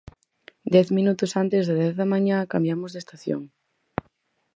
Dez minutos antes das dez da mañá cambiamos de estación.